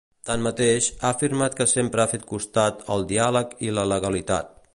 Tanmateix, ha afirmat que sempre ha fet costat ‘al diàleg i la legalitat’.